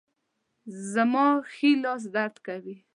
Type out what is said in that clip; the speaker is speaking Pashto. زما ښي لاس درد کوي